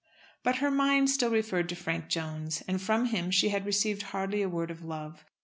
But her mind still referred to Frank Jones, and from him she had received hardly a word of love.